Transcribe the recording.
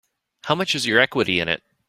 How much is your equity in it?